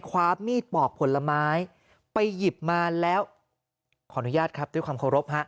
ความมีดปอกผลไม้ไปหยิบมาแล้วขออนุญาตครับด้วยความเคารพฮะ